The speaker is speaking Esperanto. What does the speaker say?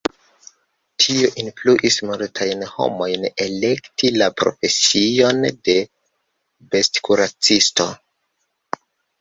Tio influis multajn homojn elekti la profesion de bestkuracisto.